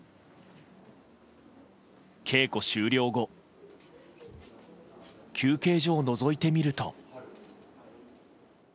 稽古終了後休憩所をのぞいてみると。